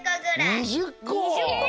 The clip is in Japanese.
２０こ！？